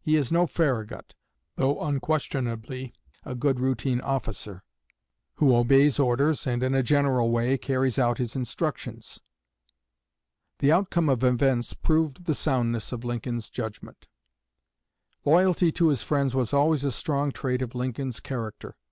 He is no Farragut, though unquestionably a good routine officer, who obeys orders and in a general way carries out his instructions.'" The outcome of events proved the soundness of Lincoln's judgment. Loyalty to his friends was always a strong trait of Lincoln's character.